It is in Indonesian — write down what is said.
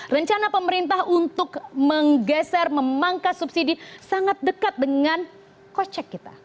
rencana pemerintah untuk menggeser memangkas subsidi sangat dekat dengan kocek kita